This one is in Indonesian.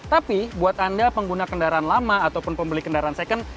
tapi buat anda pengguna kendaraan lama ataupun pembeli kendaraan second